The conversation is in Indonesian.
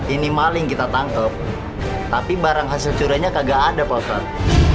ini maling kita tangkep tapi barang hasil curiannya kagak ada pak ustadz